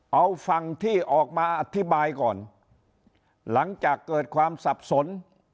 เอาฝั่งที่ออกมาอธิบายก่อนหลังจากเกิดความสับสน